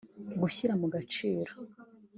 gushyira mu gaciro